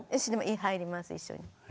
入ります一緒に。